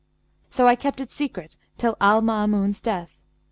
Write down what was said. So I kept it secret till Al Maamun's death.